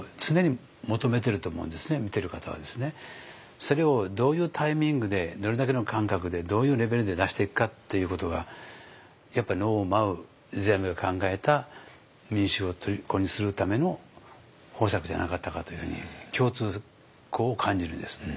それをどういうタイミングでどれだけの間隔でどういうレベルで出していくかっていうことがやっぱ能を舞う世阿弥が考えた民衆をとりこにするための方策じゃなかったかというふうに共通項を感じるんです。